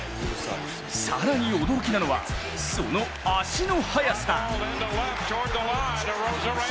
更に驚きなのは、その足の速さ。